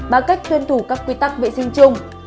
bằng cách tuân thủ các quy tắc vệ sinh chung